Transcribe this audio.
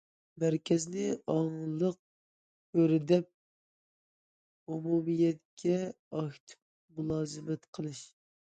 مەركەزنى ئاڭلىق چۆرىدەپ، ئومۇمىيەتكە ئاكتىپ مۇلازىمەت قىلىش.